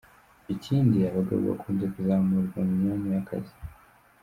Ikindi abagabo bakunze kuzamurwa mu myanya y’akazi.